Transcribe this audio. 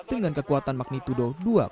dengan kekuatan magnitudo dua satu